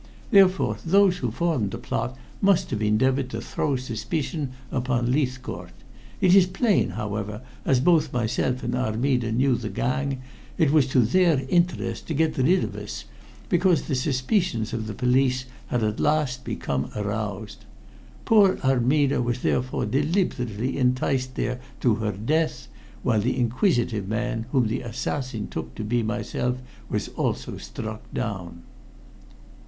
Therefore those who formed the plot must have endeavored to throw suspicion upon Leithcourt. It is plain, however, as both myself and Armida knew the gang, it was to their interest to get rid of us, because the suspicions of the police had at last become aroused. Poor Armida was therefore deliberately enticed there to her death, while the inquisitive man whom the assassin took to be myself was also struck down."